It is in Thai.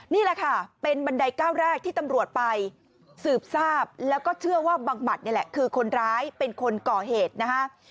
นี่แหละค่ะเป็นบันไดก้าวแรกที่ตำรวจไปสืบทราบแล้วก็เชื่อว่าบังหมัดนี่แหละคือคนร้ายเป็นคนก่อเหตุนะฮะ